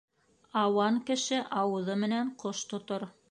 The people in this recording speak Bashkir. Ауан кеше ауыҙы менән ҡош тотор.